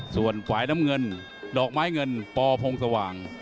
ส่วนฝ่ายน้ำเงินดอกไม้เงินปพงสว่าง